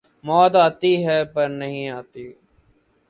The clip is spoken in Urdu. موت آتی ہے پر نہیں آتی